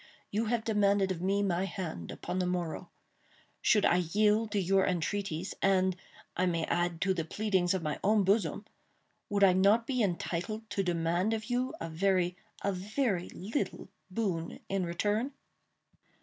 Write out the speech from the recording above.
You have demanded of me my hand upon the morrow. Should I yield to your entreaties—and, I may add, to the pleadings of my own bosom—would I not be entitled to demand of you a very—a very little boon in return?"